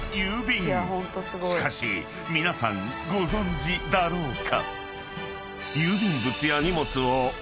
［しかし皆さんご存じだろうか？］